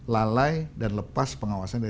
lalai dan lepas pengawasan